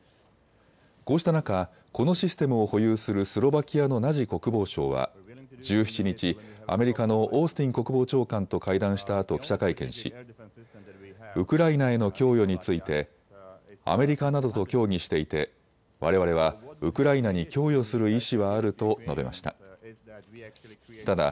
こうした中、このシステムを保有するスロバキアのナジ国防相は１７日、アメリカのオースティン国防長官と会談したあと記者会見しウクライナへの供与についてアメリカなどと協議していてわれわれはウクライナに供与する意思はあると述べました。